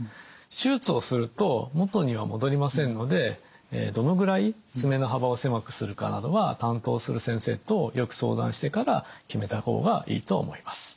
手術をすると元には戻りませんのでどのぐらい爪の幅を狭くするかなどは担当する先生とよく相談してから決めた方がいいとは思います。